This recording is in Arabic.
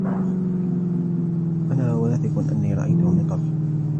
أنا واثق أني رأيتهُ من قبل.